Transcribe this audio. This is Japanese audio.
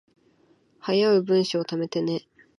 早う文章溜めてね